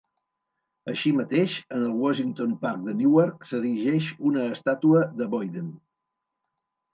Així mateix, en el Washington Park de Newark s'erigeix una estàtua de Boyden.